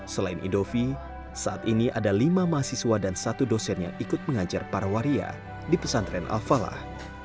selain indofi saat ini ada lima mahasiswa dan satu dosen yang ikut mengajar para waria di pesantren al falah